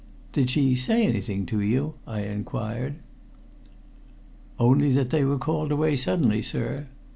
"Did she say anything to you?" I inquired. "Only that they were called away suddenly, sir.